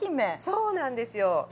そうなんですよ。